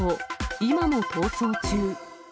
今も逃走中。